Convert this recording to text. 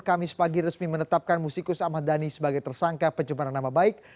kami sepagi resmi menetapkan musikus ahmad dhani sebagai tersangka pencumanan nama baik